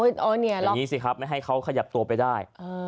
อย่างนี้สิครับไม่ให้เขาขยับตัวไปได้